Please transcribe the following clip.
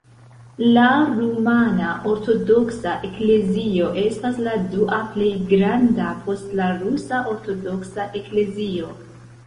La Rumana Ortodoksa Eklezio estas la dua plej granda post la Rusa Ortodoksa Eklezio.